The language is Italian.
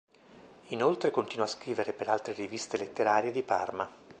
Inoltre continua a scrivere per altre riviste letterarie di Parma.